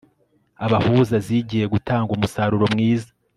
abahuza zigiye gutanga umusaruro mwiza